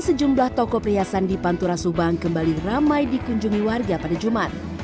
sejumlah toko perhiasan di pantura subang kembali ramai dikunjungi warga pada jumat